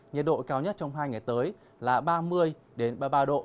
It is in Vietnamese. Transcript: nhiệt độ cao nhất trong hai ngày tới là ba mươi ba mươi ba độ